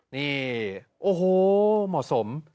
นี่โอ้โหเหมาะสม